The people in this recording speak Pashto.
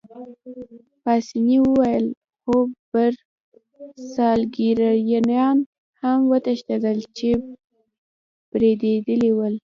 پاسیني وویل: خو برساګلیریایان هم وتښتېدل، چې بېرېدلي ول.